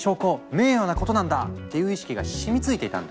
名誉なことなんだ！」っていう意識が染みついていたんだ。